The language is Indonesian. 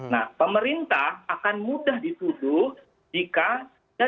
nah pemerintah akan mudah dituduh jika